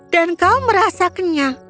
dan kau merasa kenyang